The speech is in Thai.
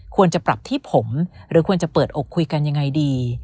ควรจะปรับที่ผมหรือควรจะเปิดอกคุยกันยังไงดี